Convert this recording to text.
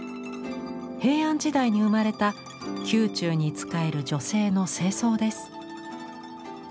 平安時代に生まれた宮中に仕える女性の正装です。